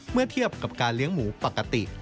เมื่อเทียบกับการเลี้ยงหมูปกติ